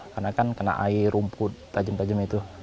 karena kan kena air rumput tajam tajam itu